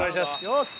よし！